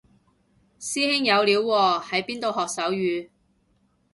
師兄有料喎喺邊度學手語